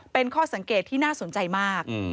เป็นข้อสังเกตที่น่าสนใจมาก